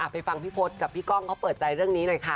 ไปฟังพี่พศกับพี่ก้องเขาเปิดใจเรื่องนี้หน่อยค่ะ